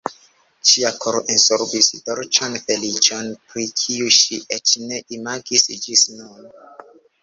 Ŝia koro ensorbis dolĉan feliĉon, pri kiu ŝi eĉ ne imagis ĝis nun.